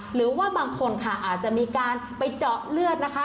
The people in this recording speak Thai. หรือว่าบางคนค่ะอาจจะมีการไปเจาะเลือดนะคะ